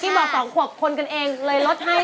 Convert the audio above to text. อ๋อเดี๋ยวก่อนนั้นแต่๒ควบคนนั้นนั้นลดที่ไหน